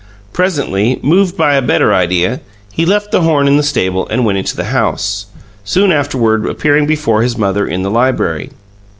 Presently, moved by a better idea, he left the horn in the stable and went into the house, soon afterward appearing before his mother in the library.